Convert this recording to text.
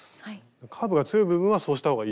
カーブが強い部分はそうした方がいいってこと。